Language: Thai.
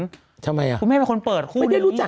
ทำไมอ่ะไม่ได้รู้จักกับเขาคุณแม่เป็นคนเปิดคู่นี้